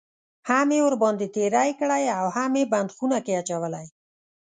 هم یې ورباندې تېری کړی اوهم یې بند خونه کې اچولی.